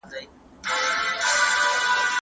خصوصي پوهنتون په ناسمه توګه نه رهبري کیږي.